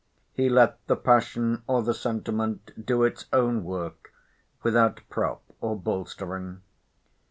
He let the passion or the sentiment do its own work without prop or bolstering.